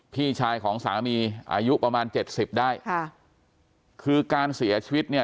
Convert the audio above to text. พี่ชายของสามีอายุประมาณเจ็ดสิบได้ค่ะคือการเสียชีวิตเนี่ย